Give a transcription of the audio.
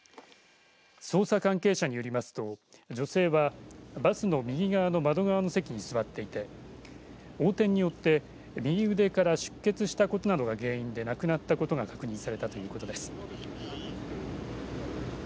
捜査関係者によりますと女性はバスの右側の窓側の席に座っていて横転によって右腕から出血したことなどが原因で亡くなったことが確認されたということです。